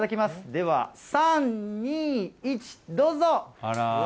では、３、２、１、どうぞ。